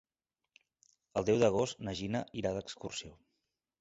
El deu d'agost na Gina irà d'excursió.